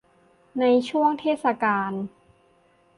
ในช่วงเทศกาล